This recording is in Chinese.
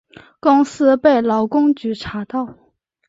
公司被劳工局查到